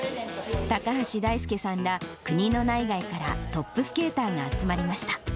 高橋大輔さんら、国の内外からトップスケーターが集まりました。